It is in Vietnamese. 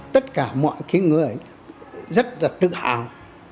tất cả mọi người rất tự hào